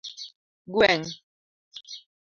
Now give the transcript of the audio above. Gweng'